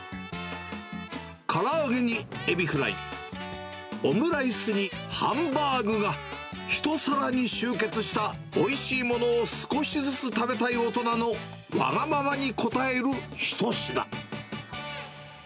から揚げにエビフライ、オムライスにハンバーグが、一皿に集結したおいしいものを少しずつ食べたい大人のわがままに応える一品。